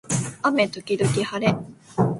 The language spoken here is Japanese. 雨時々はれ